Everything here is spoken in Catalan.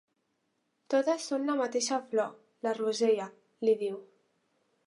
Totes són la mateixa flor, la rosella —li diu.